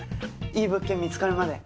いい物件見つかるまで。